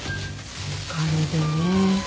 お金でね。